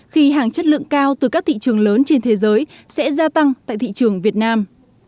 khi hàng chất lượng cao từ các thị trường lớn trên thế giới sẽ gia tăng tại thị trường việt nam